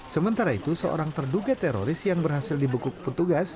sementara itu seorang terduga teroris yang berhasil dibekuk petugas